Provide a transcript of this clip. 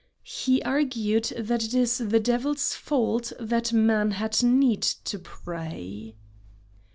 He argued that it is the devil's fault that man had need to pray.